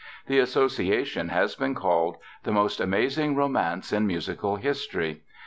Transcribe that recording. The association has been called "the most amazing romance in musical history."